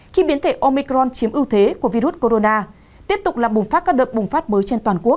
khi biến thể omicron chiếm ưu thế của virus corona tiếp tục là bùng phát các đợt bùng phát mới trên toàn quốc